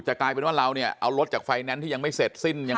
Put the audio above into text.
กลายเป็นว่าเราเนี่ยเอารถจากไฟแนนซ์ที่ยังไม่เสร็จสิ้น